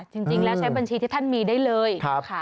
จริงแล้วใช้บัญชีที่ท่านมีได้เลย